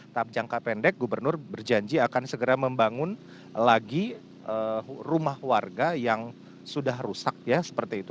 tahap jangka pendek gubernur berjanji akan segera membangun lagi rumah warga yang sudah rusak ya seperti itu